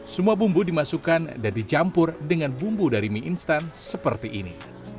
semua bumbu dimasukkan dan dijampur dengan bumbu dari mie instan seperti ini